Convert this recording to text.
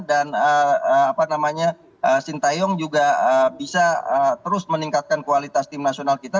dan sintayong juga bisa terus meningkatkan kualitas tim nasional kita